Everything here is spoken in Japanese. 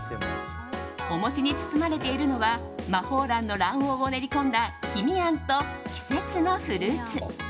お餅に包まれているのは磨宝卵の卵黄を練り込んだ黄身あんと季節のフルーツ。